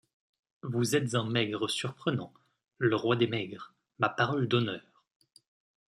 Vous êtes un Maigre surprenant, le roi des Maigres, ma parole d’honneur.